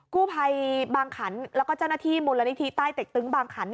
กู้ภัยบางขันแล้วก็เจ้าหน้าที่มูลนิธิใต้เต็กตึงบางขัน